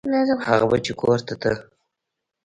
هغه به چې کور ته ته.